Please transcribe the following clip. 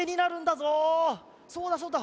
そうだそうだ。